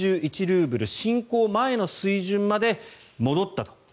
ルーブル侵攻前の水準まで戻ったと。